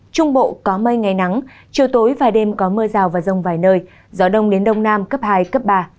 trung bộ có mây ngày nắng chiều tối và đêm có mưa rào và rông vài nơi gió đông đến đông nam cấp hai cấp ba